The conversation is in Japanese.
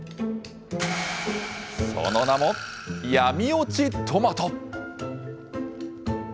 その名も、闇落ちとまと。